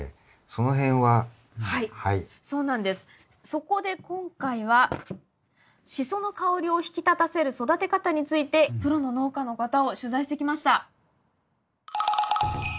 そこで今回はシソの香りを引き立たせる育て方についてプロの農家の方を取材してきました。